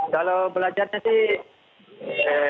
kalau belajarnya sih